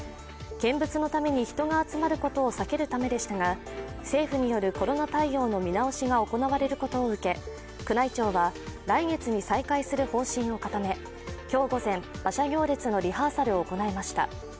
見物のために人が集まることを避けるためでしたが、政府によるコロナ対応の見直しが行われることを受け、宮内庁は来月に再開する方針を固め今日午前、馬車行列のリハーサルを行いました。